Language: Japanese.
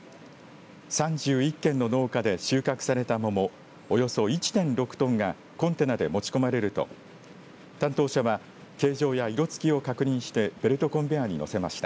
３１軒の農家で収穫された桃およそ１．６トンがコンテナで持ち込まれると担当者は形状や色つきを確認してベルトコンベアに載せました。